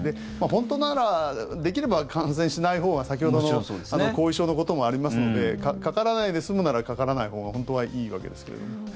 本当ならできれば感染しないほうが先ほどの後遺症のこともありますのでかからないで済むならかからないほうが本当はいいわけですけれどもね。